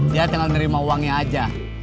dia tinggal nerima uangnya aja